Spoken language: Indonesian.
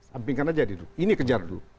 sampingkan aja dulu ini kejar dulu